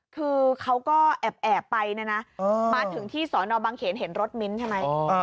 คือเขาก็แอบไปนะนะมาถึงที่สอนอบังเขนเห็นรถมิ้นท์ใช่ไหม